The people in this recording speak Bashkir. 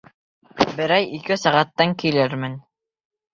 Берәй ике сәғәттән килермен.